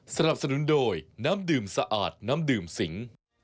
สนับสนุนโดยน้ำดื่มสะอาดน้ำดื่มสิง